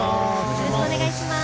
よろしくお願いします。